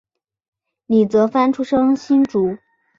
李泽藩出生新竹